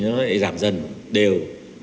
nó lại giảm dần đều